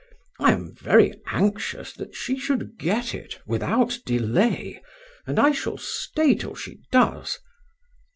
I am very anxious that she should get it, without delay, and I shall stay till she does.